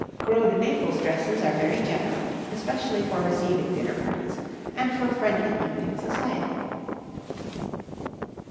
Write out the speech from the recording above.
'Gros de Naples dresses are very general, especially for receiving dinner parties, and for friendly evening society.